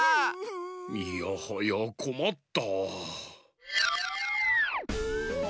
いやはやこまった。